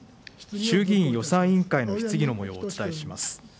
衆議院予算委員会の質疑のもようをお伝えします。